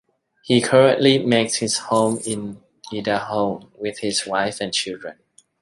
He currently makes his home in Idaho with his wife and children.